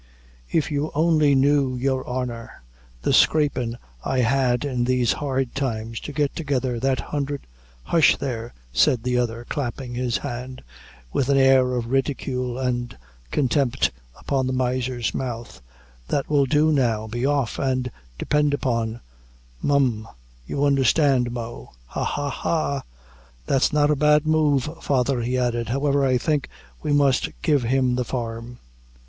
"If you only knew, your honor, the scrapin' I had in these hard times, to get together that hundhre " "Hush there," said the other, clapping his hand, with an air of ridicule and contempt upon the miser's mouth; "that will do now; be off, and depend upon mum, you understand mo! Ha, ha, ha! that's not a bad move, father," he added; "however, I think we must give him the farm."